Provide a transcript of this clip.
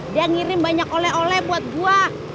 dia ngirim banyak oleh oleh buat buah